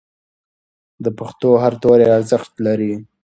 د پښتو هر توری ارزښت لري.